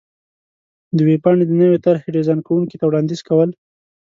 -د ویبپاڼې د نوې طر حې ډېزان کوونکي ته وړاندیز کو ل